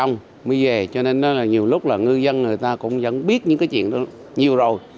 mới về cho nên là nhiều lúc là ngư dân người ta cũng vẫn biết những cái chuyện đó nhiều rồi